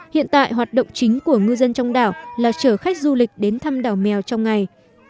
hiện tại hoạt động chính của ngư dân trong đảo là chở khách du lịch đến thăm đảo trong ngày